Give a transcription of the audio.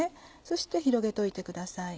そして広げといてください。